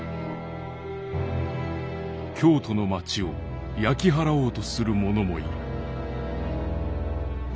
「京都の町を焼き払おうとする者もいる」。